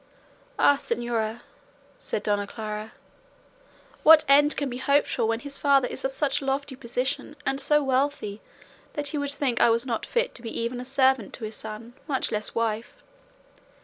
"Ah, señora," said Dona Clara, "what end can be hoped for when his father is of such lofty position, and so wealthy, that he would think I was not fit to be even a servant to his son, much less wife?